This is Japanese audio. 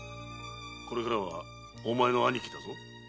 これからはお前の兄貴だぞ。